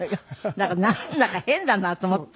だからなんだか変だなと思って。